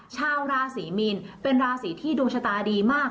ชาวราศีมีนเป็นราศีที่ดวงชะตาดีมาก